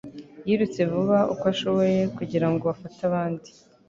Yirutse vuba uko ashoboye kugira ngo afate abandi